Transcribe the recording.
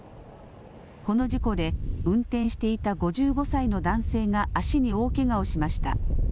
この事故で運転していた５５歳の男性が足に大けがをしました。